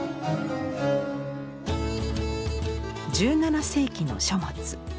１７世紀の書物。